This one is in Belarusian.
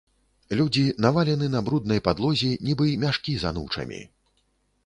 Людзі навалены на бруднай падлозе, нібы мяшкі з анучамі.